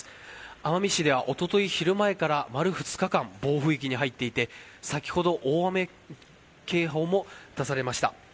奄美市ではおととい昼前から丸２日間、暴風域に入っていて、先ほど大雨警報も出されました。